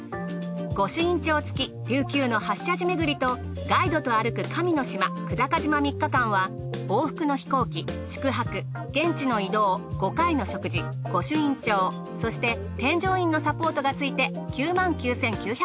御朱印帳付き琉球の８社寺めぐりとガイドとあるく神の島久高島３日間は往復の飛行機宿泊現地の移動５回の食事御朱印帳そして添乗員のサポートがついて。